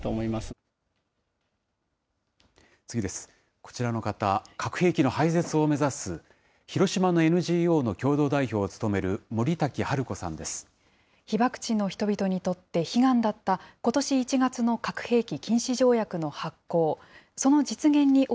こちらの方、核兵器の廃絶を目指す広島のＮＧＯの共同代表を務める森瀧春子さ被爆地の人々にとって悲願だったことし１月の核兵器禁止条約の発効。